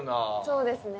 そうですね。